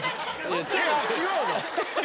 違うの？え？